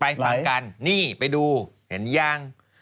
ฟังกันนี่ไปดูเห็นยัง